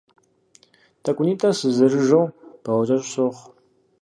Тӏэкӏунитӏэ сызэрыжэу бауэкӏэщӏ сохъу.